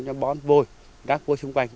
cho bón vôi rác vôi xung quanh